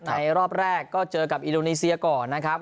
รอบแรกก็เจอกับอินโดนีเซียก่อนนะครับ